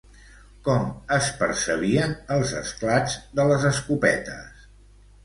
Com es percebien els esclats de les escopetes?